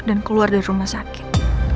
dan keluar dari rumah sakit